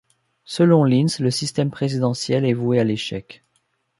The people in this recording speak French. Selon Linz, le système présidentiels est voué à l’échec.